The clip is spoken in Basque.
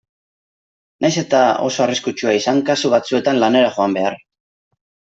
Nahiz eta oso arriskutsua izan kasu batzuetan lanera joan behar.